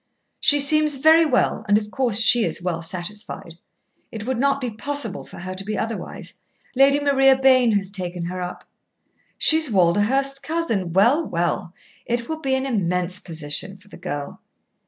"She seems very well, and of course she is well satisfied. It would not be possible for her to be otherwise. Lady Maria Bayne has taken her up." "She is Walderhurst's cousin. Well, well! It will be an immense position for the girl."